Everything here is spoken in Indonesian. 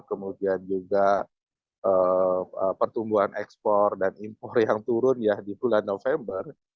kemudian juga pertumbuhan ekspor dan impor yang turun ya di bulan november